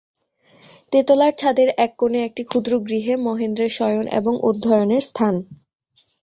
তেতলার ছাদের এক কোণে একটি ক্ষুদ্র গৃহে মহেন্দ্রের শয়ন এবং অধ্যয়নেরস্থান।